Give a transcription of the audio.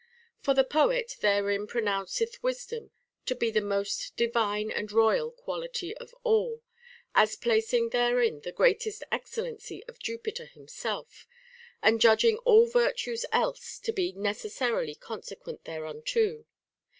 * For the poet therein pronounceth wisdom to be the most divine and royal quality of all ; as placing therein the greatest excellency of Jupiter himself, and judging all virtues else to be necessarily consequent thereunto.